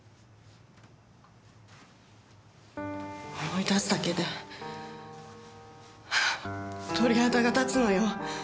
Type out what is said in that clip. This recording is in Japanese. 思い出すだけで鳥肌が立つのよ。